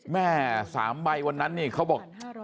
แม่๓ใบวันนั้นนี่เขาบอก